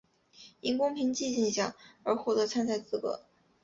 因公平竞技奖而获得参赛资格。